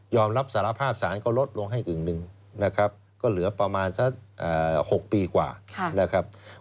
รับสารภาพสารก็ลดลงให้กึ่งหนึ่งนะครับก็เหลือประมาณสัก๖ปีกว่านะครับ